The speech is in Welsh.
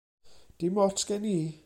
Dim ots gen i.